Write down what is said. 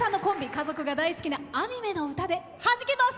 家族が大好きなアニメの歌ではじけます。